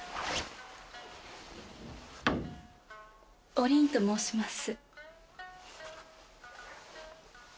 おりんと申します。